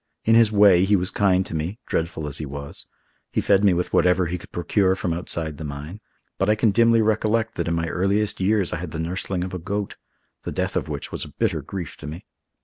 In his way he was kind to me, dreadful as he was; he fed me with whatever he could procure from outside the mine; but I can dimly recollect that in my earliest years I was the nursling of a goat, the death of which was a bitter grief to me.